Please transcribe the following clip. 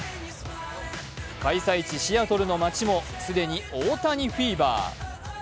開催地・シアトルの街も既に大谷フィーバー。